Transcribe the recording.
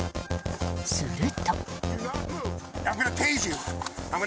すると。